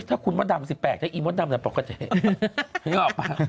ถ้าคุณมดดำสิแปลกถ้าอีมดดำดำปล่อยก็จะ